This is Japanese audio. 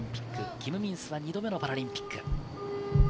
キム・ミンスは２度目のパラリンピック。